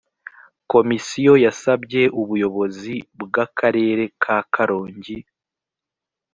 komisiyo yasabye ubuyobozi bw akarere ka karongi